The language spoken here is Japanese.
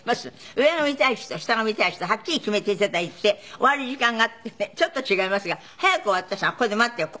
「上が見たい人下が見たい人はっきり決めていただいて終わる時間がちょっと違いますが早く終わった人はここで待ってよう」。